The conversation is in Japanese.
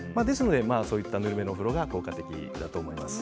ぬるめのお風呂が効果的だと思います。